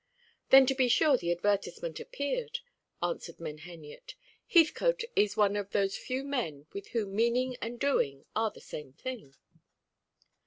"Then be sure the advertisement appeared," answered Menheniot. "Heathcote is one of those few men with whom meaning and doing are the same thing."